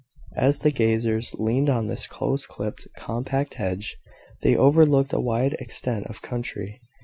As the gazers leaned on this close clipped, compact hedge, they overlooked a wide extent of country.